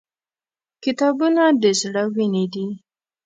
• کتابونه د زړه وینې دي.